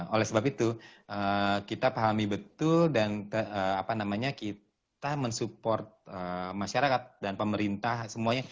oleh sebab itu kita pahami betul dan kita mensupport masyarakat dan pemerintah semuanya